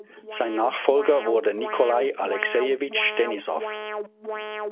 Sein Nachfolger wurde Nikolai Alexejewitsch Denissow.